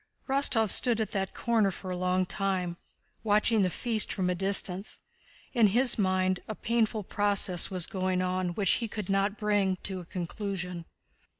Rostóv stood at that corner for a long time, watching the feast from a distance. In his mind, a painful process was going on which he could not bring to a conclusion.